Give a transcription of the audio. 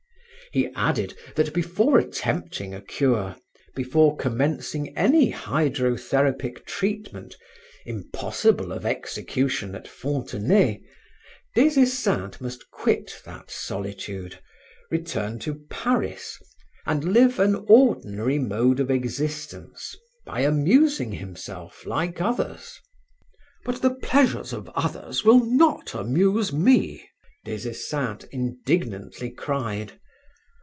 He added that before attempting a cure, before commencing any hydrotherapic treatment, impossible of execution at Fontenay, Des Esseintes must quit that solitude, return to Paris, and live an ordinary mode of existence by amusing himself like others. "But the pleasures of others will not amuse me," Des Esseintes indignantly cried.